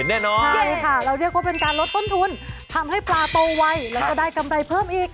ใช่ค่ะเราเรียกว่าเป็นการลดต้นทุนทำให้ปลาโตไวแล้วก็ได้กำไรเพิ่มอีก